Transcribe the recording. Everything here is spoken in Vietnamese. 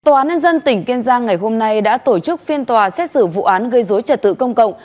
tòa án nhân dân tỉnh kiên giang ngày hôm nay đã tổ chức phiên tòa xét xử vụ án gây dối trật tự công cộng